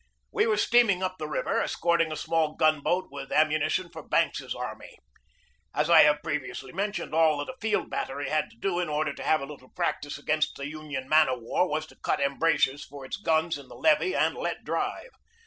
We were steam ing up the river, escorting a small gun boat with am munition for Banks's army. As I have previously mentioned, all that a field battery had to do in order to have a little practice against a Union man of war was to cut embrasures for its guns in the levee and let drive.